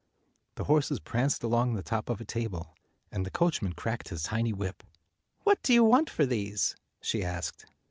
The horses pranced along the top of a table, and the coachman cracked his tiny whip. "What do you want for these?" she asked.